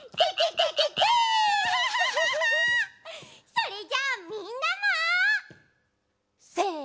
それじゃあみんなも！せの。